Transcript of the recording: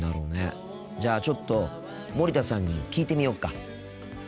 じゃあちょっと森田さんに聞いてみよっか。